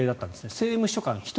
政務秘書官１人。